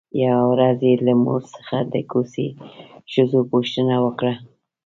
يوه ورځ يې له مور څخه د کوڅې ښځو پوښتنه وکړه.